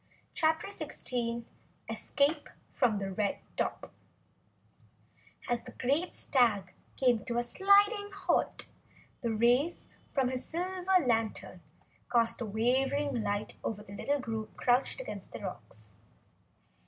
CHAPTER 16 Escape from Red Top As the great stag came to a sliding halt, the rays from his silver lantern cast a wavering light over the little group crouched against the rocks.